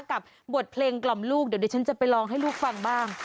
กับบทเพลงกล่อมลูกเดี๋ยวดิฉันจะไปลองให้ลูกฟังบ้าง